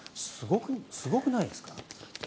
すごくないですか？